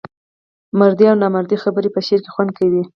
مردۍ او نامردۍ خبري په شعر کې خوند کوي.